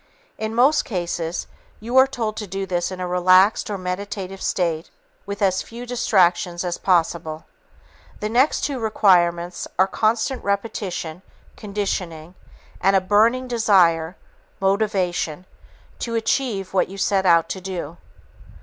In most cases, you are told to do this in a relaxed or meditative state with as few distractions as possible. The next two requirements are constant repetition (conditioning) and a "burning desire" (motivation) to achieve what you set out to do.